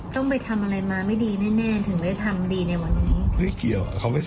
ถ้าถ้าไม่มากพอ